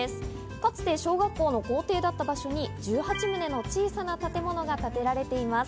かつて小学校の校庭だった場所に１８棟の小さな建物が建てられています。